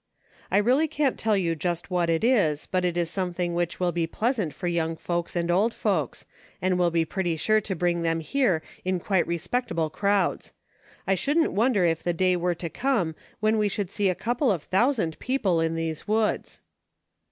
I •eally can't tell you just what it is, but it is some 14 " MARCH ! I SAID." thing which will be pleasant for young folks and old folks, and will be pretty sure to bring them here in quite respectable crowds. I shouldn't wonder if the day were to come when we should see a couple of thousand people in these woods."